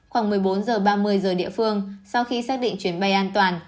khoảng một mươi bốn h ba mươi giờ địa phương sau khi xác định chuyến bay an toàn